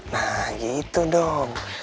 nah gitu dong